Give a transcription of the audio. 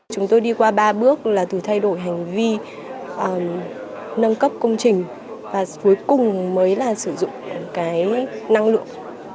chúng tôi đi qua ba bước là từ thay đổi hành vi nâng cấp công trình và cuối cùng mới là sử dụng cái năng lượng